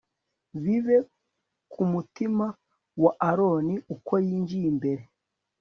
bibe ku mutima wa aroni uko yinjiye imbere